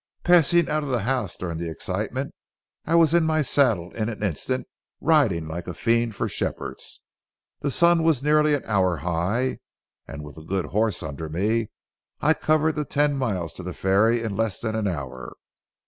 Passing out of the house during the excitement, I was in my saddle in an instant, riding like a fiend for Shepherd's. The sun was nearly an hour high, and with a good horse under me, I covered the ten miles to the ferry in less than an hour.